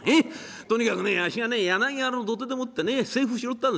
とにかくねあっしが柳原の土手でもって財布拾ったんですよ。